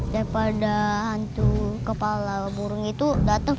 daripada hantu kepala burung itu datang